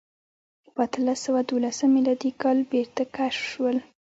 په اتلس سوه دولسم میلادي کال بېرته کشف شول.